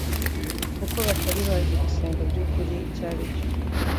kuko batari bazi gusenga by'ukuri icyo ari cyo.